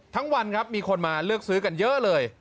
วันครับมีคนมาเลือกซื้อกันเยอะเลย